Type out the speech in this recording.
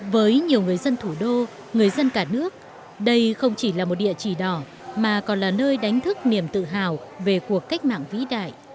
với nhiều người dân thủ đô người dân cả nước đây không chỉ là một địa chỉ đỏ mà còn là nơi đánh thức niềm tự hào về cuộc cách mạng vĩ đại